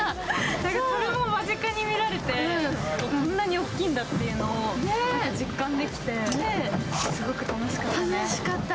それも間近に見られて、こんなに大きいんだというのを実感できてすごく楽しかった。